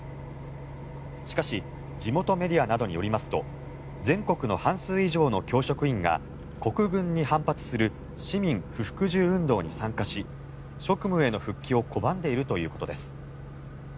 しかし地元メディアなどによりますと全国の半数以上の教職員が国軍に反発する市民不服従運動に参加し職務への復帰を拒んでいるということです。